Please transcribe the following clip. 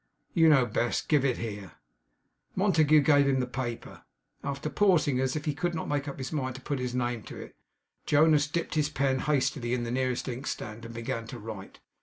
'You know best. Give it here!' Montague gave him the paper. After pausing as if he could not make up his mind to put his name to it, Jonas dipped his pen hastily in the nearest inkstand, and began to write.